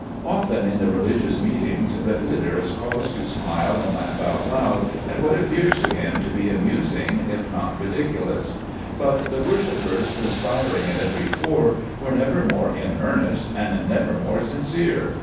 Often in the religious meetings, the visitor is caused to smile and laugh out loud, at what appears to him to be amusing, if not ridiculous. But the worshipers, perspiring at every pore, were never more in earnest, and never more sincere.